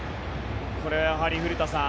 これ、やはり古田さん